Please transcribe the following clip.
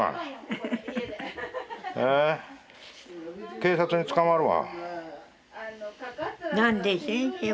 警察に捕まるわ。